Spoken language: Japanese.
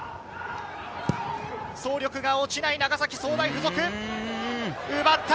走力が落ちない長崎総大附属。